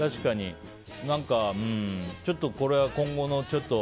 ちょっとこれは今後の。